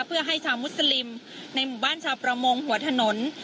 เพื่อให้ชาวมุสลิมในหมู่บ้านชาวประมงหัวถนน